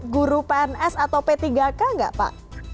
guru pns atau p tiga k nggak pak